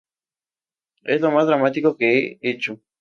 Es lo más dramático que he hecho.